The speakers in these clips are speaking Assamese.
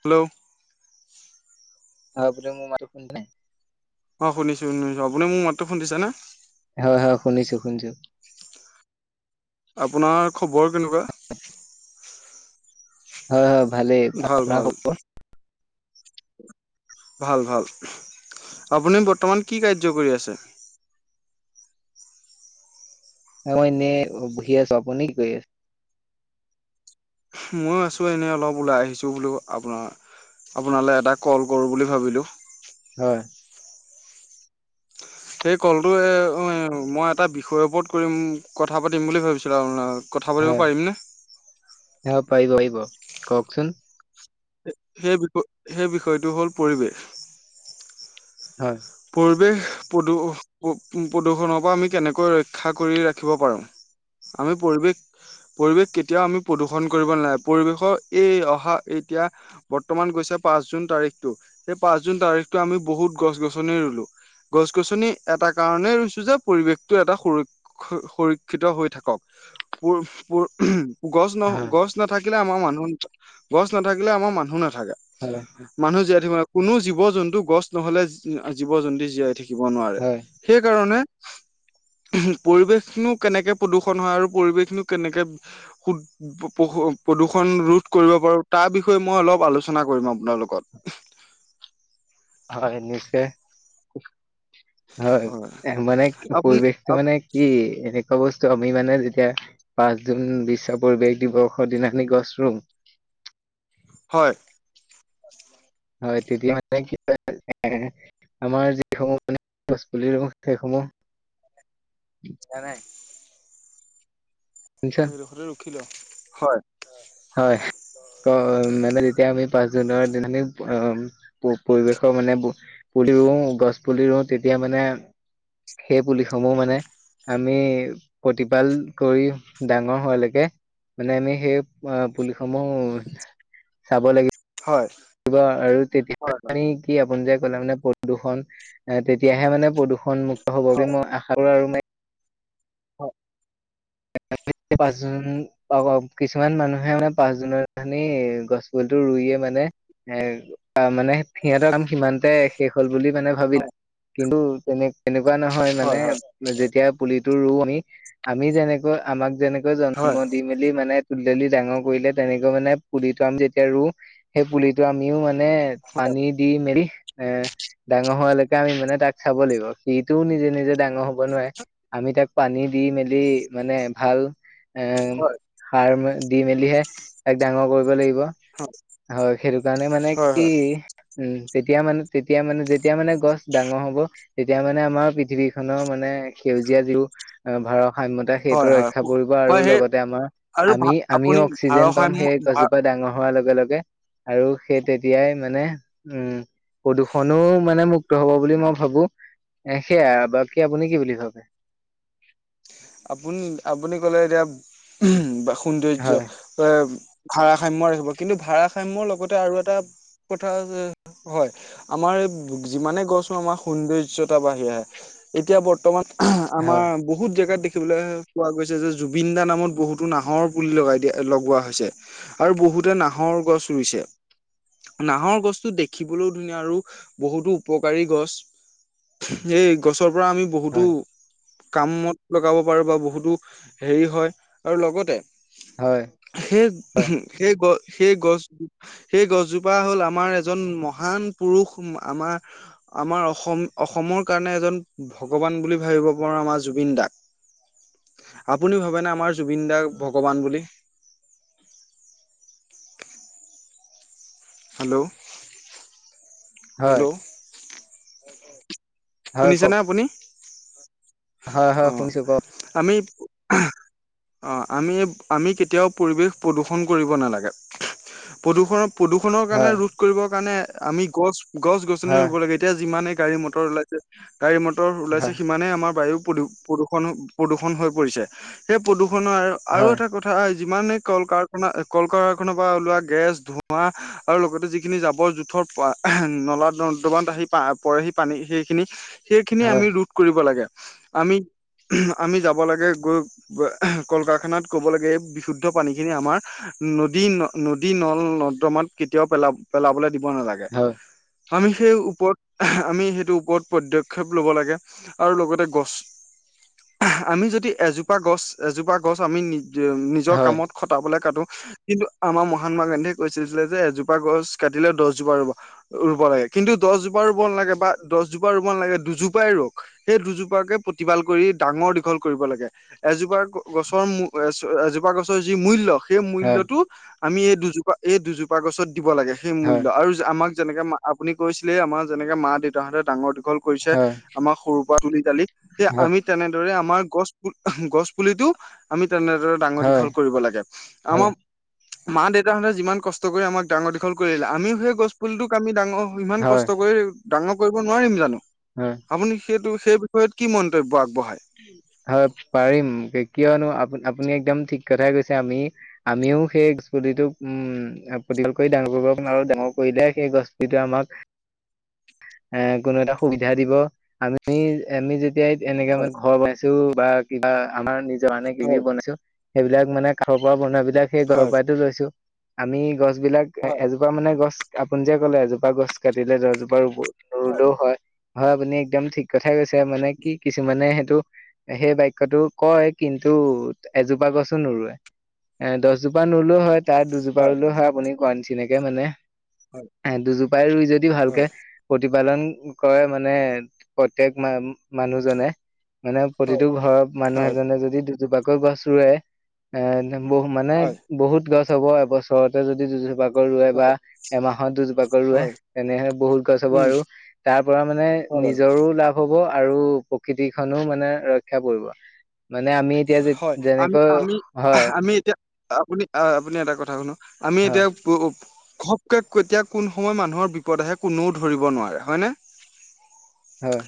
হেল্ল'। [unintelligible] অ' শুনিছো, শুনিছো। আপুনি মোৰ মাততো শুনিছে নে? হয় হয়, শুনিছো শুনিছো। আপোনাৰ খবৰ কেনেকুৱা? হয় হয় ভালেই ভাল আপোনাৰ ভাল খবৰ? [inaudible] ভাল ভাল। আপুনি বৰ্তমান কি কাৰ্য কৰি আছে? মই এনে বহি আছো। আপুনি কি কৰি আছে? ময়ো আছো এনে অলপ ওলাই আহিছো বোলো আপোনাৰ আপোনালৈ এটা কল কৰো বুলি ভাবিলোঁ। হয়। সেই কলটো এ অ এ মই এটা বিষয়ৰ ওপৰত কৰিম কথা পাতিম বুলি ভাবিছিলো। আপোনৰ কথা পাতিব পাৰিমনে? প পিব কওকচোন [unintelligible] সেই বিষয় সেই বিষয়টো হ'ল পৰিৱেশ। হয় পৰিৱেশ প্ৰদূৰষণৰ পৰা আমি কেনেকৈ ৰক্ষা কৰি ৰাখিব পাৰো। আমি পৰিবেশ পৰিৱেশ কেতিয়াও আমি প্ৰদূষণ কৰিব নলাগে পৰিৱেশৰ এই অহা এতিয়া বৰ্তমান কৈছে পাঁচ জুন তাৰিখতটো সেই পাঁচ জুন তাৰিখতটো আমি বহুত গছ গছনি ৰুলো। গছ গছনি এটা কাৰনেই ৰুইছো যে পৰিৱেশটো এটা সুৰক্ষ সুৰক্ষিত হৈ থাকক। প প উম গছ ন হয় গছ নাথাকিলে আমাৰ মানুহ ন গছ নাথাকিলে আমাৰ মানুহ নাথাকে। থাকে হয় মানুহ জীয়াই থাকিব নোৱাৰে, কোনো জীৱ জন্তু গছ নহলে জীৱ জন্তু জীয়াই থাক শিকিব নোৱাৰে হয় সেইকাৰণে পৰিৱেশনো কেনেকে প্ৰদূষণ হয় আৰু পৰিৱেশনো কেনেকে প্ৰদূষণ ৰোধ কৰিব পাৰো, তাৰ বিষয়ে মই অলপ আলোচনা কৰিম আপোনাৰ লগত। [inaudible] হয় এনে চে হয় মানে আপুনি পৰিৱেশটো মানে কি এনেকুৱা বস্তু আমি মানে যেতিয়া পাঁচ জুন বিশ্ব পৰিৱেশ দিৱসৰ দিনা আমি গছ ৰুওঁ হয়। হয় তেতিয়া মানে কি আমাৰ যি সমূহ মানে গছ পুলি সেইসমূহ হয় নাই এইদুখৰটে ৰখি ল হয়। এতিয়া আমি পাঁচ জুনৰ দিনাখি অ পৰিৱেশৰ মানে পুলি ৰুও গছ পুলি ৰুওঁ তেতিয়া মানে সেই পুলিসমূহ মানে আমি প্ৰতিপাল কৰি ডাঙৰ হোৱালৈকে মানে আমি সেই অ পুলিসমূহ চাব লাগি হয় আৰু তেতিয়া হয় মানি কি আপোন যে, মানে প্ৰদূষণ তেতিয়াহে মানে প্ৰদূষণ মুুক্ত হ'ব বুলি হয় মই আশা কৰো আৰু হয়। পাঁচ জুন [unintelligible] অ অ কিছুমান মানুহে মানে পাঁচ জুনৰ নাখনি গছ পোলিতো ৰুইয়ে মানে এ অ মানে সিহঁতৰ কাম সিমানতে শেষ হল বুলি মানে ভাবি লয়, কিন্তু তেনে তেনেকুৱা নহয় হয় হয় মানে যেতিয়া পুলিটো ৰু আমি আমি যেনেকৈ আমাক যেনেক জন্ম হয় দি মেলি মানে তুললি ডাঙৰ কৰিলে তেনেকৈ মানে পুলিটো আমি যেতিয়া ৰুওঁ সেই পুলিটো আমিও মানে মানে পানী দি মেলি এ ডাঙৰ হোৱালৈকে আমি মানে তাক চাব লাগিব। সেইটোও নিজে নিজে ডাঙৰ হব নোৱাৰে আমি তাক পানী দি মেলি। মানে ভাল এ হয় সাৰ দি মেলিহে তাক ডাঙৰ কৰিব লাগিব। হয় সেইটো কাৰণে মানে হয় কি উম তেতিয়া মানে তেতিয়া মানে যে তেতিয়া মানে গছ ডাঙৰ হ'ব। তেতিয়া মানে আমাৰ পৃথিৱী খনৰ মানে সেউজীয়া যিও ভাৰসাম্য সেইটো হয় ৰক্ষা পৰিব আৰু হয় হয় সেই লগতে আমাৰ আৰু আমি আমিও আপুনি অক্সিজেন পাম, সেই ভাৰসাম্য গছজোপা ডাঙৰ হোৱাৰ লগে লগে। আৰু সেই তেতিয়াই মানে উম প্ৰদূষণো মানে মুক্ত হব বুলি মই ভাবো সেয়া আৰু বাকী আপুনি কি বুলি ভাবে? [inaudible] আপুনি আপুনি কলে এতিয়া সৌন্দৰ্য হয় অ- ভাৰসাম্য ৰাখিব কিন্তু ভাৰসাম্যৰ লগতে আৰু এটা কথা যে হয়। আমাৰ এই যিমানে গছো আমাৰ সৌন্দৰ্যতা বাঢ়ি আহে। এতিয়া বৰ্তমান আমাৰ হয় বহুত জেগাত দেখ- দিবলে কোৱা গৈছে যে, জুবিন দা নামত বহুতো নাহৰ, পুলি লগাই দিয়া লগোৱা হৈছে। আৰু বহুত বহুতে নাহৰ, গছ ৰুইছে নাহৰ গছটো দেখিবলৈও ধুনীয়া আৰু বহুতো উপকাৰী গছ এই গছৰ পৰা আমি বহুতো হয় কামত লগাব পাৰো বা বহুতো হেৰি হয় আৰু লগতে হয় হয় হয় সেই সেই গ সেই গছো, সেই গছজোপা হ'ল আমাৰ এজন মহান পুৰুষ আমাৰ আমাৰ অসম অসমৰ কাৰণে এজন ভগৱান বুলি ভাবিব পাৰো আমাৰ জুবিন দাদাক। আপুনি ভাবেনে আমাৰ জুবিন দাক ভগৱান বুলি [inaudible] হেল্ল' হয় হেল্ল' হয়, কওক শুনিছেনে আপুনি- হয় অ হয় শুনিছো ক আমি অ আমি আমি কেতিয়াও পৰিৱেশ প্ৰদূষণ কৰিব নালাগে। প্ৰদূষণৰ, প্ৰদূষণৰ, কাৰণে হয় ৰোধ কৰিবৰ কাৰণে আমি গছ, গছ-গছনি হয় ৰুব লাগে এতিয়া যিমানে গাড়ী-মটৰ ওলাইছে, গাড়ী-মটৰ ওলাইছে হয় সিমানে আমাৰ বায়ুক প্ৰদূষণ, প্ৰদূষণ হৈ পৰিছে সেই প্ৰদূৰণৰ আৰু হয় এটা কথা। যিমানে কল কাৰখানা, কল কাৰখানাৰ পৰা ওলোৱা গেছ, ধোঁৱা, আৰু লগতে যিখিনি জাবৰ -জোথৰ নলা দমান আহি প পৰে সি পানী সেইখিনি সেইখিনি হয় আমি ৰোধ কৰিব লাগে। আমি আমি যাব লাগে, গৈ কল কাৰখানাত কব লাগে এই বিশুদ্ধ পানীখিনি আমাৰ নদী ন নদী নল নৰ্দমাত কেতিয়াও পেলাব পেলাবলৈ দিব নালাগে। হয় আমি সেই ওপৰত আমি সেইটো ওপৰত পদক্ষেপ ল'ব লাগে আৰু লগতে গছ, আমি যদি এজোপা গছ, এজোপা গছ আমি নি যে নিজৰ হয় কামত খটাবলৈ কাটো। কিন্তু আমাৰ মহাত্মা গান্ধীয়ে কৈছিলছিলে যে এজোপা গছ কাটিলে দছজোপা ৰুবা ৰুব লাগে। কিন্তু দহজোপা ৰুব নালাগে বা দহজোপা ৰুব ন লাগে দুজোপাই ৰক সেই দুজোপাকে। প্ৰতিপাল কৰি ডাঙৰ দীঘল কৰিব লাগে এজোপা গছৰ এজ এজোপা গছৰ, যি মূল্য সেই হয় মূল্যতো আমি এই দুজোপা এই দুজোপা গছত দিব লাগে সেই হয় হয় মূল্য আৰু আমাক। যেনেকে মা আপুনি কৈছিলে। আমাৰ যেনেকে মা দেউতাহতে ডাঙৰ দীঘল কৰিছে হয় আমাৰ সৰুৰ পৰা তুলি তালি যে হয় আমি তেনেদৰে আমাৰ গছ গছ, পুলিটো আমি তেনেদৰে ডাঙৰ হয় দীঘল কৰিব লাগে। আমাৰ মা দেউতাহঁতে যিমান কষ্ট কৰি আমাক ডাঙৰ দীঘল কৰিলে। আমিও সেই গছ পুলিটোক আমি ডাঙৰ ইমান হয় কষ্ট কৰি ডাঙৰ কৰিব নোৱাৰিম জানো? হয় আপুনি সেইটো সেই ত কি মন্তব্য আ হয় পাৰিম কিয়নো আপুনি আপুনি একদম ঠিক কথাই কৈছে আমি আমিও সেইপতিটো উম প্ৰতিঘল কৰি ডাঙৰ আৰু ডাঙৰ কৰিলে সেই গছটো আমাক- [inaudible] এ কোনো এটা সুবিধা দিব আমি আমি যেতিয়াই এনেকাে হয় মানে। ছো বা কিবা আমাৰ নিজৰ কাৰে কিবি হয় বনাইছো। সেইবিলাক মানে খাৰ পৰা বনোৱা বি বিলাক সেই ঘৰৰ হয় পৰাইতো লৈছো আমি গছ বিলাক এ হয় এজোপা মানে গছ আপুনি যে ক'লে এজোপা গছ কাটিলে দশ জোপা ৰুলেও হয়। হয় আপুনি একদম ঠিক কথাই কৈছে। মানে কিছুমানে তু সেই বাক্যতো কয় কিন্তু এজোপা গছো নৰুৱে। এ দহজোপা নৰুলেও হয় তাত দুজোপা ৰুলেও হয় আপুনি কোৱা নিচিনাকে মানে। হয় দুজোপাই ৰুই যদি ভালকে হয় প্ৰতি। পালন কৰে মানে, প্ৰত্যেক মানুহজনে। মানে হয় প্ৰতিটো ঘৰৰ মানুহ হয় হয় এজনে যদি দুজোপাকৈ গছ ৰুৱেএ। বহু মানে হয় বহুত গছ হ'ব এবছৰতে যদি দুুজোপা ৰুৱে বা হয় এমাহত দুজোপাক ৰুৱে, হয় তেনেহ বহুত গছ হ'ব উম আৰু তাৰ পৰা মানে। হয় বাৰু নিজৰো লাভ হব আৰু প্ৰকৃতিখনো মানে ৰক্ষা পৰিব। মানে আমি এতিয়া যে হয় আমি যেনেকৈ আমি হয় আমি এতিয়া, আপুনি আপুনি এটা কথা ক। আমি হয় এতিয়া। খপকে কেতিয়া কোন সময়ত মানুহৰ বিপদ আহে কোনেও ধৰিব নোৱাৰে হয়নে? হয়।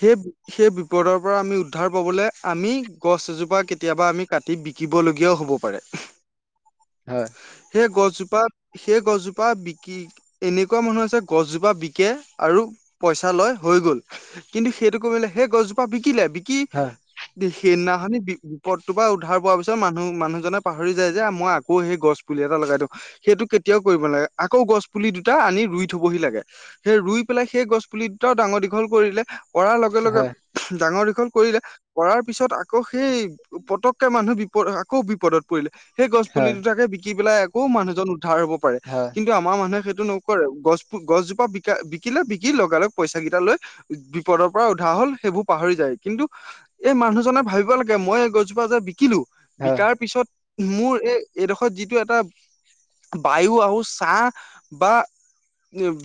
সেই সেই বিপদৰ পৰা আমি উদ্ধাৰ পাবলৈ আমি। গছ এজোপা কেতিয়াবা আমি কাটি বিকিবলগীয়াও হ'ব পাৰে। হয়। সেই গছজোপা সেই গছজোপা বিকি এনেকুৱা মানুহ আছে গছজোপা বিকে আৰু। পইচা লয় হৈ গ'ল। কিন্তু সেইটো কমিলে সেই গছজোপা বিকিলে। কি হয় সেনাখনি। পদটোৰ পৰা উদ্ধাৰ পোৱাৰ পিছত মানুহ মানুহজনে পাহৰি যায় যে মই আকৌ সেই গছ পুলি এটা লগাই দিওঁ সেইটো, কেতিয়াও কৰিব নালাগে আকৌ গছ পুলি দুটা আনি ৰুই থবহি লাগে সেই ই পেল সেই গছ পুলি দুটা ডাঙৰ দীঘল কৰিলে। কৰাৰ লগে লগে হয় ডাঙৰ দীঘল কৰিলে কৰাৰ পিছত আকৌ সেই পতককে মানুহ আকৌ বিপদত পৰিলে। সেই গছ পুলি হয় দুটাকে বিকি পেলাই আকৌ মানুহজন উ। হ'ব পাৰে হয় কিন্তু আমাৰ মানুহে সেই। নকৰে, গছ গছজোপা বি বিকিলে বিকি লগে লগ পইচা কেইটা লৈ উ বিপদৰ পৰা উধা। হল সেইবোৰ পাহৰি যায় কিন্তু এই মানুহজনে ভাবিব লাগে মই এই গছজোপা যে বিকিলো হয় বিকাৰাৰ পিছত। মোৰ এই এইডোখৰ যিটো এটা বায়ু আহ চাহ। বা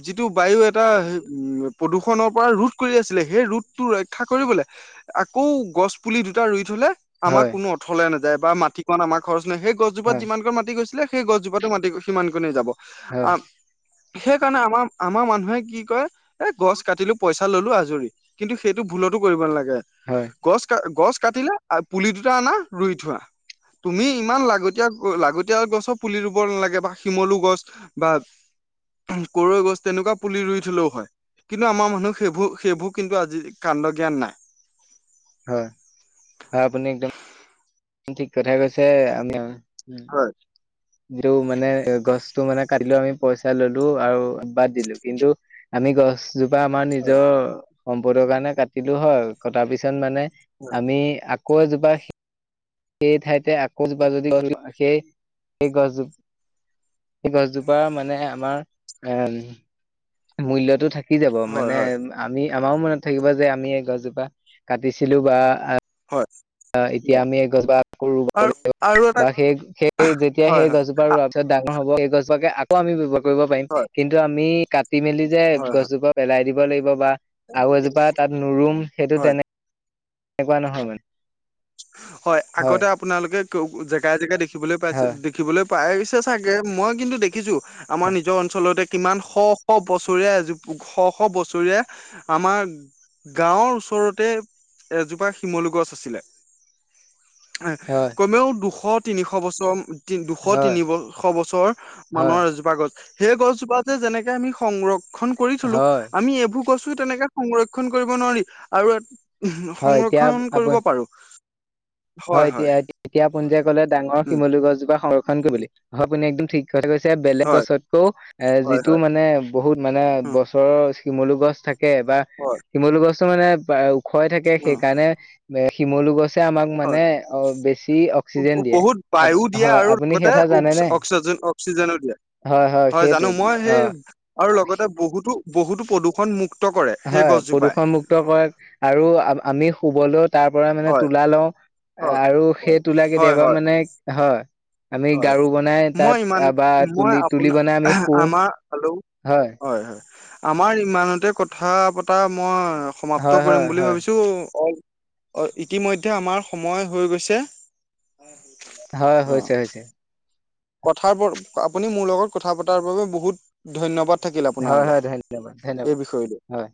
যিটো বায়ু এটা উম। প্ৰদূষণৰ পৰা ৰোধ কৰি আছিলে। সেই ৰোধটো ৰক্ষা কৰিবলৈ আকৌ গছ পুলি দুটা ৰুই। তোলে আমাৰ হয় কোনো অথলে নাযায় বা মাটি কন আমাৰ খৰচ নহয়। সেই গছজোপাত হয় যিমান কণ মাটি গৈছিলে। সেই গছজোপাটো মাতি সিমান কোনে যাব হয় আহ। সেই কাৰণে আমাৰ, আমাৰ মানুহে কি কয় এ গছ কাটিলো পইচা ললো আজৰি কিন্তু সেইটো ভুলতো কৰিব নালাগে হয়, গছ কাটিলে পুলিটো। না ৰুই থোৱা তুমি ইমান লাগতিয়াল লাগতিয়াল গছো পুলি ৰুব নালাগে বা শিমলু গছ বা। কদৈগছ তেনেকুৱা পুলি ৰুই থলেও হয়।। কিন্তু আমাৰ মানুহ সেইবোৰ সেইবোৰ কিন্তু আজি কন্দ জ্ঞান নাই। হয় হয় আপুনি একদম। ঠিক কথা কৈছে আমি। হয় যটো মানে গছতটো মানে কাটিলো আমি পইচা ললো আৰু বাদ দিলো কিন্তু আমি গছ জোপা আমাৰ হয় নিজৰ সম্পদৰ কাৰণে কাটিলো। হয় কটাৰ পিছত মানে। আমি আকৌ এজোপা সেই ঠাইতে আকৌজোপা যদি সেই। এই গাছ সেই গছজোপাৰ মানে আমাৰ এম মূল্যতো থাকে। কি যাব হয় মানে হয় আমি আমাৰো মনত থাকিব। যে আমি এই গছজোপা কাটিছিলো বা। আহ এতিয়া হয় আমি গছ ব কৰো আৰু লাগ আৰু [unintelligible] এটা বা সেই সেই যেতিয়া হয় সেই হয় গছজোপা ৰোৱাৰ পিছত ডাঙৰ হ'ব। গছজাকে আকৌ আমি বৱহাৰ কৰিব পাৰিম। হয় কিন্তু আমি কাটি মেলি যে হয় হয় গছজোপ পেলাই দিব। লাগিব বা আৰু এজোপা তাত নৰুম সেইটো হয় তেনে তেনেকুৱা নহয় মানে। হয়, আগতে আপোনালোকে জেগাই জেগাই দেখিবলৈ পাইছে হয় দেখিবলৈ। পাই গৈছে চাগে মই কিন্তু দেখিছো আমাৰ নিজৰ অঞ্চলতে কিমান শ- শ বছৰীয়া এজো -শ -শ বছৰীয়া আমাৰ গাঁওৰ ওচৰতে এজোপা শিমলু গছ আছিলে। হয় কমেও দুশ- তিনিশ বছৰ তি দুশ- হয় তিনিশ বছৰ হয় মানৰ এজোপা গছ সেই গছজোপা যে যেনেকে আমি সংৰক্ষণ কৰি থলো হয় আমি এইবোৰ কৈছোঁ তেনেকে সংৰক্ষণ কৰিব নোৱাৰো [inaudible] আৰু হয় এতিয়া সংৰক্ষন আপোন কৰিব পাৰো। হয়, এতিয়া -এতিয়া আপুনি যে কলে ডাঙৰ উম শিমলু গছজোপা সংৰক্ষণ উম কৰিবলে, হয় আপুনি একদম ঠিক কথা কৈছে বেলেগ হয় গছতকৈ এ' হয় যিটো হয় মানে বহুত মানে উম বছৰৰ শিমলু গছ থাকে বা হয় শিমলু গছটো মানে ওখ হৈ থাকে উম সেইকাৰণে শিমলু গছে আম তোমাক মানে হয় অলপ বেছি অক্সিজেন দিয়ে। বহুত বায়ু দিয়ে হয়, আৰু আপুনি সেই লগতে কথা অক্স জানেনে? অক্সিজেন অক্সিজেনো হয়, জানো মই সেই আৰু লগতে বহুতো- বহুতো প্ৰদূষণ মুক্ত কৰে সেই হয়, গছজোপাই প্ৰদূষণ মুুক্ত কৰাত আৰু আমি শুবলৈত তাৰ পৰা মানে হয় তুলা লওঁ হয় আৰু হয় সেই তুলা হয় কেতিয়াবা হয় মানে হয় আমি হয় গাৰু বনাই মই ইমান তাত বা মই তুলি -তুলি আপোনাৰ বনাই আমি শুওঁ আমাৰ হেল্ল' হয়- হয়। আমাৰ ইমানতে কথা পতা মই হয় সমাপ্ত হয় কৰিম বুলি হয় ভাবিছো। ইতিমধ্যে আমাৰ সময় হৈ গৈছে। হয়, অ হৈছে -হৈছে। কথাৰ ওপৰত আপুনি মোৰ লগত কথা পতাৰ বাবে বহুত ধন্যবাদ। থাকিল হয় আপোনাৰলে হয় ধন্যবাদ ধন্যবাদ এই বিষয়টো হয়